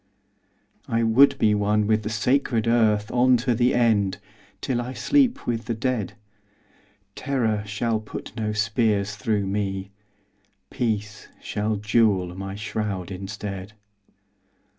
I would be one with the sacred earth On to the end, till I sleep with the dead. Terror shall put no spears through me. Peace shall jewel my shroud instead.